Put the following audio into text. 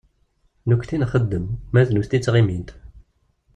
Nekkenti nxeddem, ma d nutenti ttɣimint.